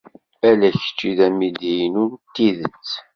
Ala kečč ay d amidi-inu n tidet.